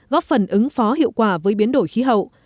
góp phần ứng phó hiệu quả với biến đổi khí hậu